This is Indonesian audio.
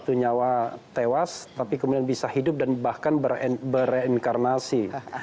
satu nyawa tewas tapi kemudian bisa hidup dan bahkan bereinkarnasi